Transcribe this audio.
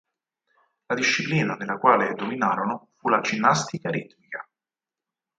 La disciplina nella quale dominarono fu la ginnastica ritmica.